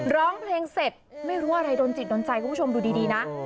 ร้องเพลงเสร็จไม่รู้อะไรโดนจิตโดนใจคุณผู้ชมดูดีนะ